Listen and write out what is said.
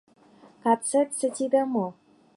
— Кацетсе тите мо?